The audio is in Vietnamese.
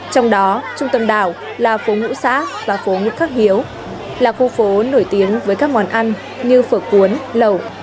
trong đó trung tâm đảo là phố ngũ xã và phố ngũ khắc hiếu là khu phố nổi tiếng với các món ăn như phở cuốn lẩu